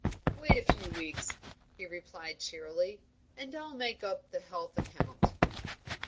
"Wait a few weeks," he replied cheerily, "and I'll make up the health account."